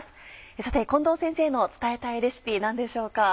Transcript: さて近藤先生の伝えたいレシピ何でしょうか？